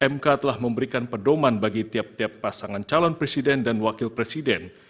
mk telah memberikan pedoman bagi tiap tiap pasangan calon presiden dan wakil presiden